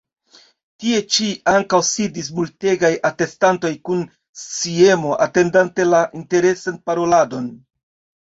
Tie ĉi ankaŭ sidis multegaj atestantoj, kun sciemo atendante la interesan paroladon.